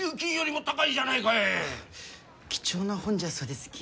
貴重な本じゃそうですき。